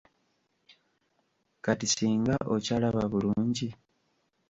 Kati singa okyalaba bulungi?